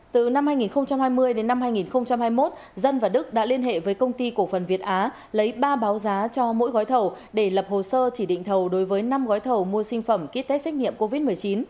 từ năm hai nghìn hai mươi đến năm hai nghìn hai mươi một dân và đức đã liên hệ với công ty cổ phần việt á lấy ba báo giá cho mỗi gói thầu để lập hồ sơ chỉ định thầu đối với năm gói thầu mua sinh phẩm ký test xét nghiệm covid một mươi chín